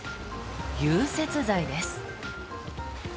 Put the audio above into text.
融雪剤です。